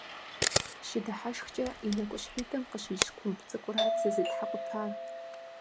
ЩыдыхьэшхкӀэ и нэкӀущхьитӀым къыщищӀ кумб цӀыкӀурат сызытхьэкъупар.